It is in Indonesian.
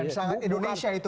dan sangat indonesia itu